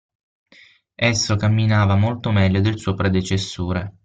Esso camminava molto meglio del suo predecessore.